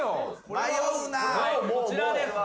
こちらです。